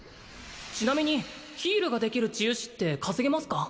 ちなみにヒールができる治癒士って稼げますか？